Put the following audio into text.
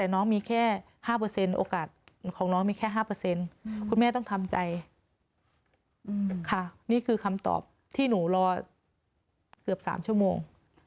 นี่คือคำตอบที่หนูรอเกือบ๓ชั่วโมง